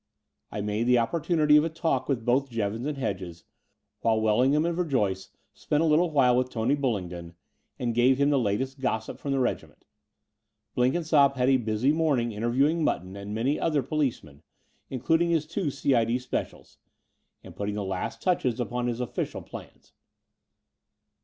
I made the opportunity of a talk with both Jevons and Hedges, while Wellingham and Ver joyce spent a little while with Tony Bullingdon, and gave him the latest gossip from the regiment. Blenkinsopp had a busy morning interviewing Mutton and many other policemen, including his two C.I.D. specials, and putting the last touches The Dower House 283 upon his official plans.